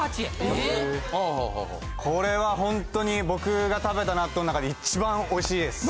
これはホントに僕が食べた納豆の中で一番美味しいです。